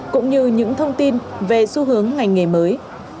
cũng như những thông tin về xu hướng ngành nghề mới